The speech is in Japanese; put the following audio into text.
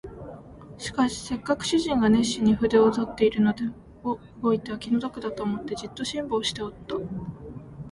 しかしせっかく主人が熱心に筆を執っているのを動いては気の毒だと思って、じっと辛抱しておった